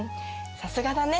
さすがだね。